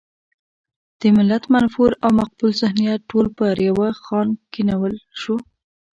د ملت منفور او مقبول ذهنیت ټول پر يوه خانک کېنول شو.